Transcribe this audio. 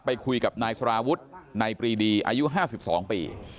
ไปคุยกับนายสารวุฒิในปรีดีอายุ๕๒ปี